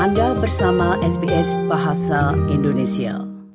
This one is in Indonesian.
anda bersama sbs bahasa indonesia